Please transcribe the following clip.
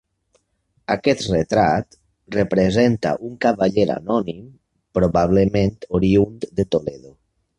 Aquest retrat representa un cavaller anònim, probablement oriünd de Toledo.